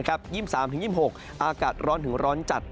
๒๓๒๖อากาศร้อนถึงร้อนจัด